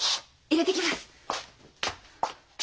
いれてきます！